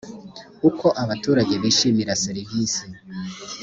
uko abaturage bishimira serivisi